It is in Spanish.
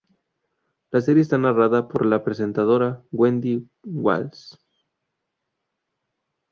La serie está narrada por la presentadora Wendy Walsh.